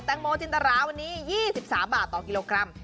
แตงโมจินตราวันนี้๒๓บาทต่อกิโลกรัม